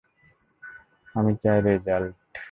আমি চাই রেজাল্ট!